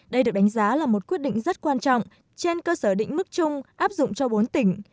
đây được đánh giá là một quyết định rất quan trọng trên cơ sở định mức chung áp dụng cho bốn tỉnh